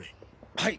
はい。